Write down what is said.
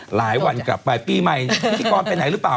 หลายวันกลับไปปีใหม่พิธีกรไปไหนหรือเปล่า